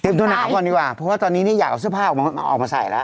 ตัวหนาวก่อนดีกว่าเพราะว่าตอนนี้เนี่ยอยากเอาเสื้อผ้าออกมาออกมาใส่แล้ว